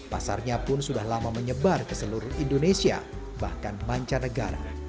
pasarnya pun sudah lama menyebar ke seluruh indonesia bahkan mancanegara